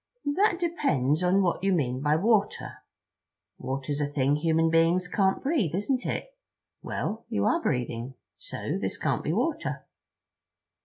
"That depends on what you mean by water. Water's a thing human beings can't breathe, isn't it? Well, you are breathing. So this can't be water."